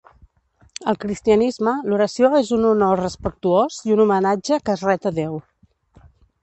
Al cristianisme, l'oració és un honor respectuós i un homenatge que es ret a Déu.